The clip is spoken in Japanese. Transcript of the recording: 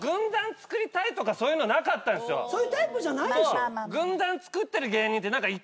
そういうタイプじゃないでしょ？